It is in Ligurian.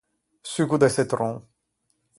Sugo de çetron.